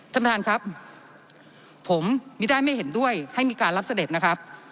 ท่านประธานครับผมไม่ได้ไม่เห็นด้วยให้มีการรับเสด็จนะครับ